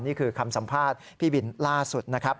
นี่คือคำสัมภาษณ์พี่บินล่าสุดนะครับ